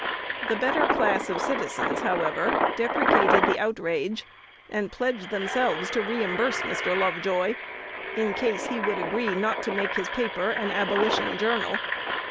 The better class of citizens, however, deprecated the outrage, and pledged themselves to reimburse Mr. Lovejoy, in case he would agree not to make his paper an abolition journal.